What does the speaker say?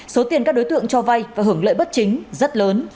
số tiền các đối tượng cho vay và hưởng lợi bất chính rất lớn